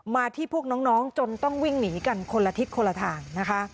มาที่พวกน้องจนต้องวิ่งหนีกันคนละทิศคนละทางนะคะ